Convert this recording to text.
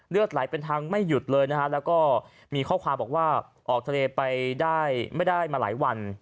เลือดไหลเป็นทางไม่หยุดเลยนะฮะแล้วก็มีข้อความบอกว่าออกทะเลไปได้ไม่ได้มาหลายวัน